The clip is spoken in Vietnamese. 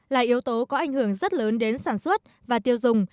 là yếu tố có ảnh hưởng rất lớn đến sản xuất và tiêu dùng